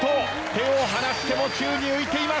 手を離しても宙に浮いています。